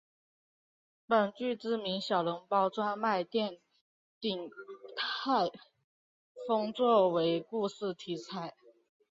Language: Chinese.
本剧知名小笼包专卖店鼎泰丰做为故事题材。